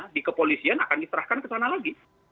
di kepolisian akan diserahkan ke sana lagi